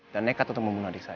dan nekat untuk membunuh adik saya